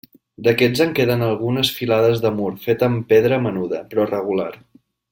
D'aquest en queden algunes filades de mur fet amb pedra menuda però regular.